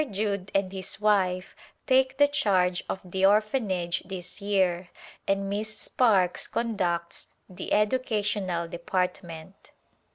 Judd and his wife take the charge of the Orphanage this year and Miss Sparkes conducts the educational department.